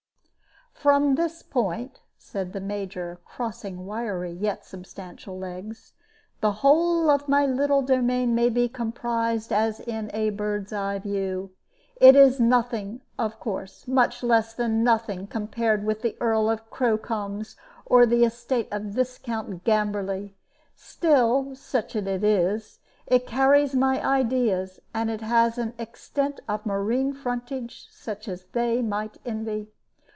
"From this point," said the Major, crossing wiry yet substantial legs, "the whole of my little domain may be comprised as in a bird's eye view. It is nothing, of course, much less than nothing, compared with the Earl of Crowcombe's, or the estate of Viscount Gamberley; still, such as it is, it carries my ideas, and it has an extent of marine frontage such as they might envy.